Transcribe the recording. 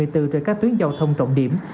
trên các tuyến giao thông trọng điểm